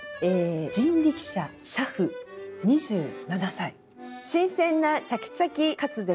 「人力車俥夫２７歳新鮮なチャキチャキ滑舌